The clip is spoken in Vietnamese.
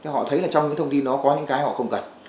họ thấy trong thông tin đó có những cái họ không cần